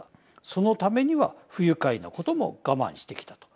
そのためには不愉快なことも我慢してきたと。